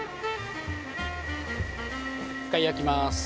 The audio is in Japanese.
一回焼きます。